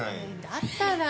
だったら。